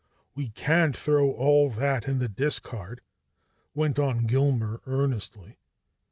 "We can't throw all that in the discard!" went on Gilmer earnestly.